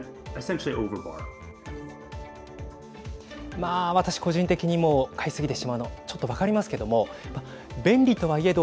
まあ、私、個人的にも買いすぎてしまうのちょっと分かりますけども便利とはいえど